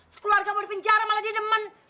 sekeluarga mau di penjara malah dia nemen